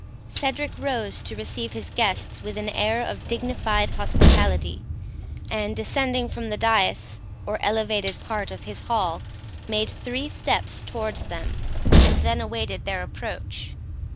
Cedric rose to receive his guests with an air of dignified hospitality, and, descending from the dais, or elevated part of his hall, made three steps towards them, and then awaited their approach.